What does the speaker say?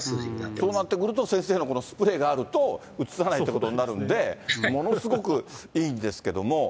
そうなってくると、先生のこのスプレーがあると、うつさないということになるので、ものすごくいいんですけども。